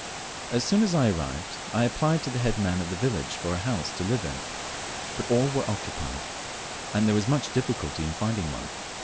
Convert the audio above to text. As soon as I arrived, I applied to the head man of the village for a house to live in, but all were occupied, and there was much difficulty in finding one.